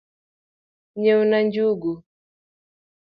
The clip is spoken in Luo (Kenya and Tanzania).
Nyiewna njungu.